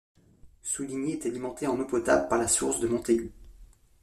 Souligny est alimenté en eau potable par la source de Montaigu.